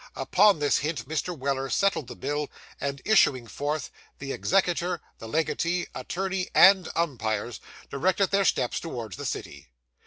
Upon this hint Mr. Weller settled the bill, and, issuing forth, the executor, legatee, attorney, and umpires, directed their steps towards the city.